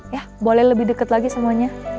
ya boleh lebih dekat lagi semuanya